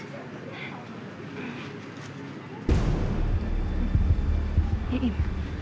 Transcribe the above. เย้อิม